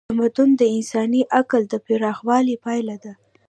تمدن د انساني عقل د پراخوالي پایله ده.